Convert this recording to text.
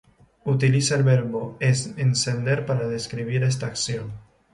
Utiliza el verbo "encender" para describir esta acción.